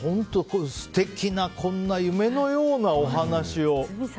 素敵な夢のようなお話を。